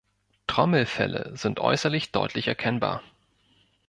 Trommelfelle sind äußerlich deutlich erkennbar.